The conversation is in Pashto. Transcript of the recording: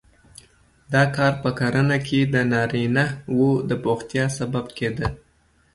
دا کار په کرنه کې د نارینه وو د بوختیا سبب کېده